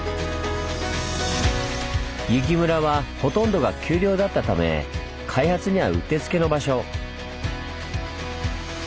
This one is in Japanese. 由木村はほとんどが丘陵だったため開発にはうってつけの場所。